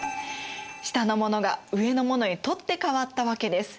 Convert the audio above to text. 下の者が上の者へ取って代わったわけです。